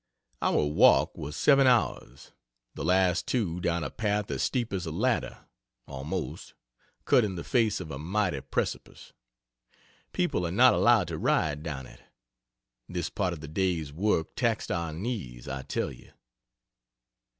Our walk was 7 hours the last 2 down a path as steep as a ladder, almost, cut in the face of a mighty precipice. People are not allowed to ride down it. This part of the day's work taxed our knees, I tell you.